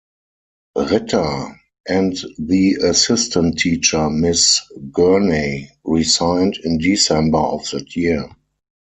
Ritter, and the assistant teacher Ms Gurney, resigned in December of that year.